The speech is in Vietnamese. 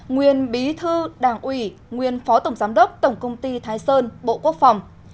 nguyên bí thư đảng ủy nguyên phó tổng giám đốc tổng công ty thái sơn bộ quốc phòng